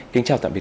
kính chào tạm biệt